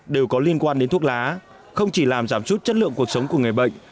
đều có liên quan đến thuốc lá không chỉ làm giảm chút chất lượng cuộc sống của người bệnh